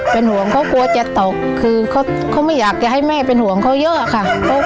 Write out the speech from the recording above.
เป็นห่วงเขากลัวจะตกคือเขาไม่อยากจะให้แม่เป็นห่วงเขาเยอะค่ะ